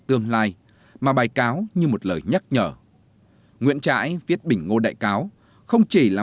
tương lai mà bài cáo như một lời nhắc nhở nguyễn trãi viết bình ngô đại cáo không chỉ là